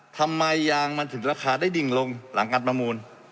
ทำไมยางมันถึงราคาได้ดิ่งลงหลังการประมูล